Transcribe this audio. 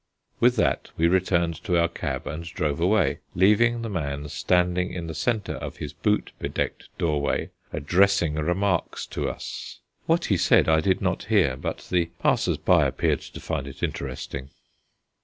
With that we returned to our cab and drove away, leaving the man standing in the centre of his boot bedecked doorway addressing remarks to us. What he said, I did not hear, but the passers by appeared to find it interesting.